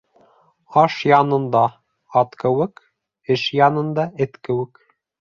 Аш янында ат кеүек, эш янында эт кеүек.